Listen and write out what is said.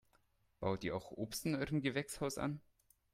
Baut ihr auch Obst in eurem Gewächshaus an?